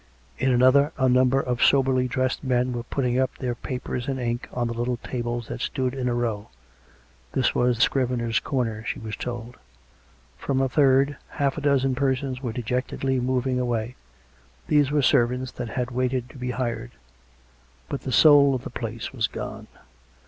In another a number of soberly dressed men were putting up their papers and ink on the little tables that stood in a row — this was Scriveners' Corner, she was told; from a third half a dozen persons were dejectedly moving away — these were servants that had waited to be hired. But the soul of the place was gone.